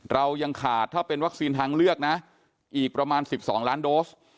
เรายังขาดถ้าเป็นวัคซีนทางเลือกนะอีกประมาณ๑๒ล้านโดส